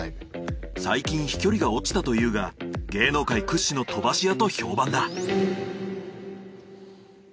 最近飛距離が落ちたというが芸能界屈指の飛ばし屋と評判だ。